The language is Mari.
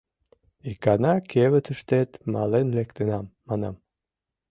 — Икана кевытыштет мален лектынам, манам.